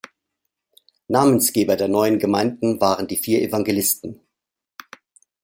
Namensgeber der neuen Gemeinden waren die vier Evangelisten.